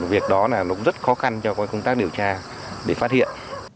việc đó là nó rất khó khăn cho công tác điều tra để phát hiện